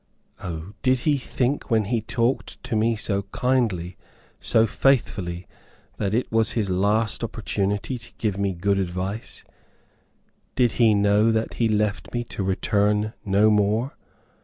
O, did he think when he talked to me so kindly, so faithfully, that it was his last opportunity to give me good advice? Did he know that he left me to return no more?